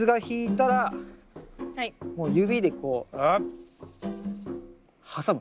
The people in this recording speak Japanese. もう指でこう挟む。